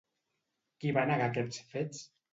Qui va negar aquests fets?